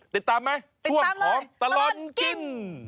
ติดตามไหมช่วงของตลอดกิน